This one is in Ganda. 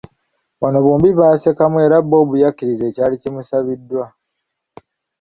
Wano bombi baasekamu era Bob yakkiriza ekyali kimusabiddwa.